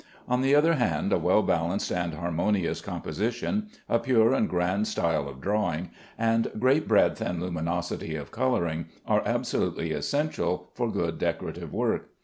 On the other hand, a well balanced and harmonious composition, a pure and grand style of drawing, and great breadth and luminosity of coloring are absolutely essential for good decorative work.